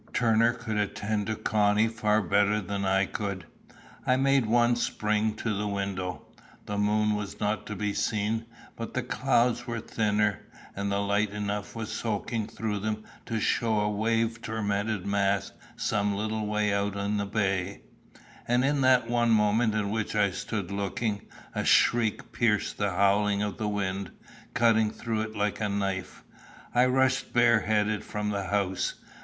Turner could attend to Connie far better than I could. I made one spring to the window. The moon was not to be seen, but the clouds were thinner, and light enough was soaking through them to show a wave tormented mass some little way out in the bay; and in that one moment in which I stood looking, a shriek pierced the howling of the wind, cutting through it like a knife. I rushed bare headed from the house.